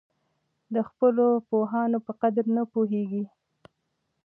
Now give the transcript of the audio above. د خپلو پوهانو په قدر نه پوهېږي.